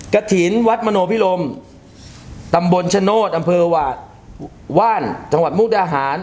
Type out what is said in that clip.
กฐินวัดมโนพิลมตำบลชโน้ตอัมเภอวาวาลจังหวัดมูกด้านอาหาร